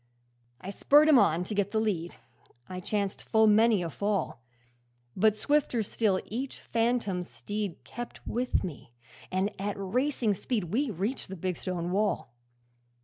'I spurred him on to get the lead, I chanced full many a fall; But swifter still each phantom steed Kept with me, and at racing speed We reached the big stone wall.